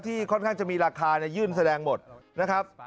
ค่อนข้างจะมีราคายื่นแสดงหมดนะครับ